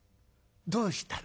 どうしたな？」。